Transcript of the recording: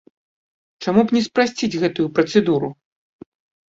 Чаму б не спрасціць гэтую працэдуру?